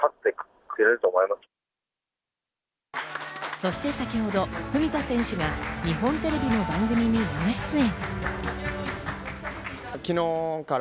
そして先ほど文田選手が日本テレビの番組に生出演。